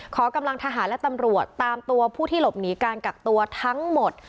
ขอกำลังทหารและตำรวจตามตัวผู้ที่หลบหนีการกักตัวทั้งหมด